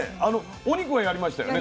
お肉はやりましたよね。